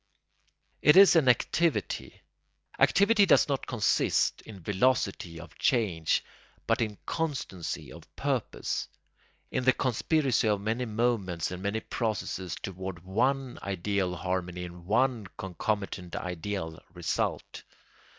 It is an activity. Activity does not consist in velocity of change but in constancy of purpose; in the conspiracy of many moments and many processes toward one ideal harmony and one concomitant ideal result.